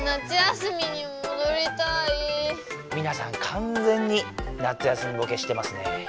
完全に夏休みボケしてますね。